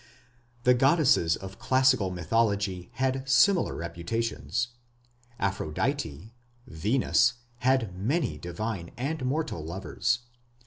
The goddesses of classic mythology had similar reputations. Aphrodite (Venus) had many divine and mortal lovers.